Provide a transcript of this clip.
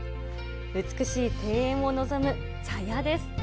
美しい庭園を臨む茶屋です。